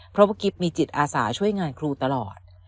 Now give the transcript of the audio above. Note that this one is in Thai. เพราะว่ากิ๊บมีจิตอาสาช่วยงานครูตลอด